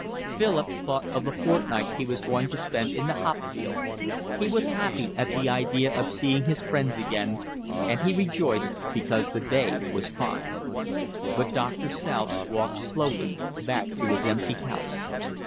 Philip thought of the fortnight he was going to spend in the hop field: he was happy at the idea of seeing his friends again, and he rejoiced because the day was fine. But Doctor South walked slowly back to his empty house.